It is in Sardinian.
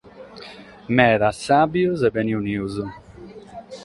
Medas, sàbios e bene unidos.